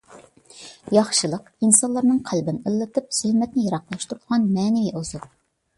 ياخشىلىق — ئىنسانلارنىڭ قەلبىنى ئىللىتىپ، زۇلمەتنى يىراقلاشتۇرىدىغان مەنىۋى ئوزۇق.